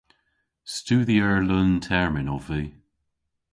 Studhyer leun-termyn ov vy.